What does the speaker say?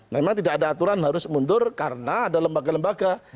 memang tidak ada aturan harus mundur karena ada lembaga lembaga